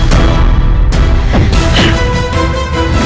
sampai jumpa lagi guru